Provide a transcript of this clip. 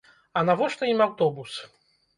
А навошта ім аўтобус?